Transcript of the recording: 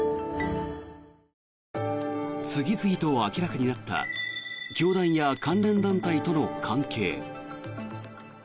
次々と明らかになった教団や関連団体との関係。